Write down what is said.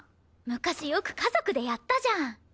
昔よく家族でやったじゃん。